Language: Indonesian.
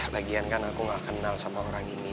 lagian kan aku gak kenal sama orang ini